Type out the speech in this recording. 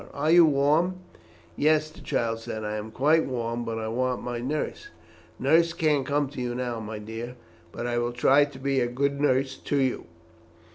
Are you warm?" "Yes," the child said. "I am quite warm, but I want my nurse." "Nurse can't come to you now, my dear; but I will try to be a good nurse to you."